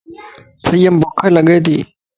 سيءَ مَ ڀوک لڳي تي.